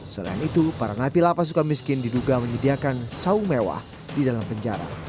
selain itu para napi lapas suka miskin diduga menyediakan saung mewah di dalam penjara